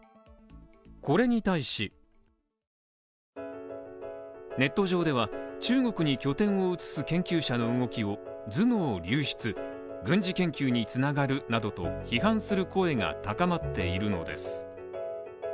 これに対し、ネット上では中国に拠点を移す研究者の動きを頭脳流出、軍事研究に繋がるなどと批判する声が高まっているのです。